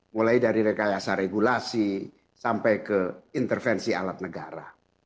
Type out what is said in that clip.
mulai dari rekayasa regulasi sampai ke intervensi alat negara